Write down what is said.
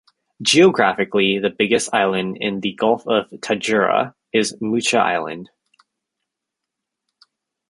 Geographically the biggest island in the Gulf of Tadjoura is Moucha Island.